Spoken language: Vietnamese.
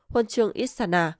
huân chương isana